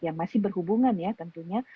yang masih berhubungan ya tentunya